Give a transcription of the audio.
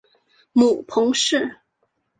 母彭氏。